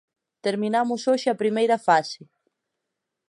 Terminamos hoxe a primeira fase